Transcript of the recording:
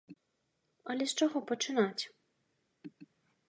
Але з чаго пачынаць?